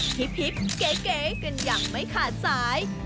หิบเก๋กันอย่างไม้ขาดสาย